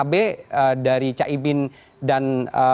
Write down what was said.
terus di bawah